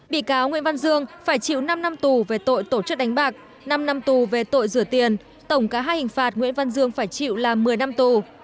bị cáo nguyễn văn dương phải chịu năm năm tù về tội tổ chức đánh bạc năm năm tù về tội rửa tiền tổng cả hai hình phạt nguyễn văn dương phải chịu là một mươi năm tù